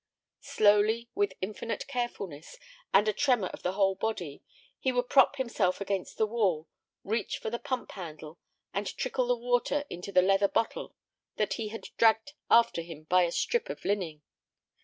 Slowly, with infinite carefulness, and a tremor of the whole body, he would prop himself against the wall, reach for the pump handle, and trickle the water into the leather bottle that he had dragged after him by a strip of linen.